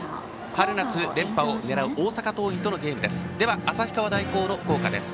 春夏連覇を狙う大阪桐蔭とのゲームです。